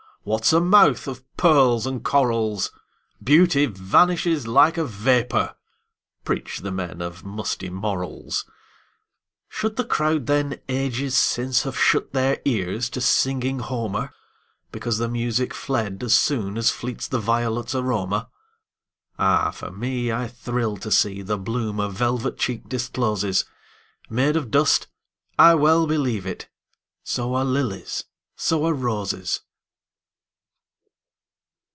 What 's a mouth of pearls and corals? Beauty vanishes like a vapor, Preach the men of musty morals! Should the crowd then, ages since, Have shut their ears to singing Homer, Because the music fled as soonAs fleets the violets' aroma? Ah, for me, I thrill to seeThe bloom a velvet cheek discloses, Made of dust—I well believe it! So are lilies, so are roses!